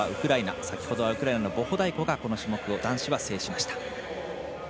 先ほどはウクライナのボホダイコがレースを制しました。